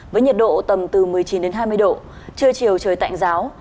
với nhiệt độ tầm từ một mươi chín đến hai mươi độ trưa chiều trời tạnh giáo